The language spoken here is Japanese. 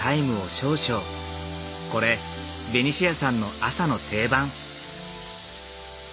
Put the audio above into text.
これベニシアさんの朝の定番。